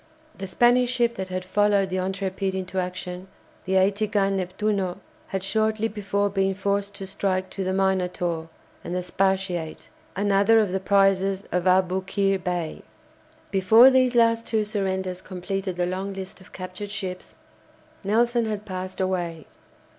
The Spanish ship that had followed the "Intrépide" into action, the 80 gun "Neptuno," had shortly before been forced to strike to the "Minotaur" and the "Spartiate," another of the prizes of Aboukir Bay. Before these last two surrenders completed the long list of captured ships, Nelson had passed away.